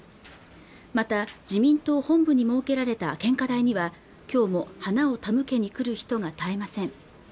また自民党本部に設けられた献花台にはきょうも花を手向けに来る人が絶えません